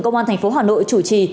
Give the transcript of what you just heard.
công an tp hà nội chủ trì